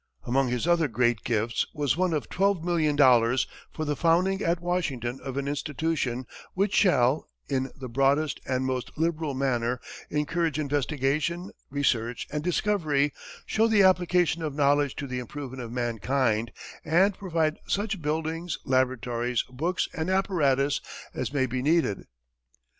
Among his other great gifts was one of $12,000,000, for the founding at Washington of an institution "which shall, in the broadest and most liberal manner, encourage investigation, research, and discovery, show the application of knowledge to the improvement of mankind, and provide such buildings, laboratories, books, and apparatus as may be needed."